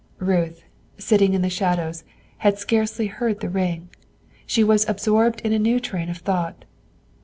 Ruth, sitting in the shadows, had scarcely heard the ring. She was absorbed in a new train of thought.